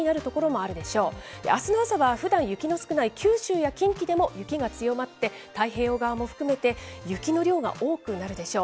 あすの朝はふだん雪の少ない九州や近畿でも、雪が強まって、太平洋側も含めて、雪の量が多くなるでしょう。